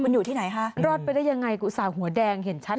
มันอยู่ที่ไหนคะรอดไปได้ยังไงอุตส่าห์หัวแดงเห็นชัด